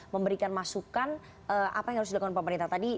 memberikan masukan apa yang harus dilakukan pemerintah tadi